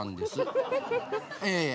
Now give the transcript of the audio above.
ええ。